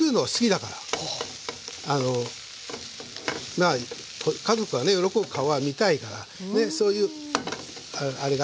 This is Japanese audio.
まあ家族がね喜ぶ顔が見たいからそういうあれがあるんで。